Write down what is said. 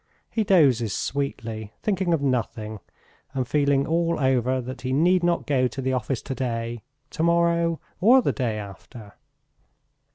He dozes sweetly, thinking of nothing, and feeling all over that he need not go to the office today, tomorrow, or the day after.